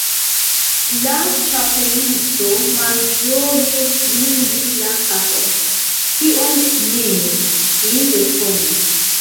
La Ĉapelisto malĝoje svingis la kapon. "Tion ne mi," li respondis.